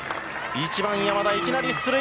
１番、山田がいきなり出塁！